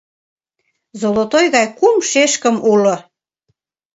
Золотой гай кум шешкым уло.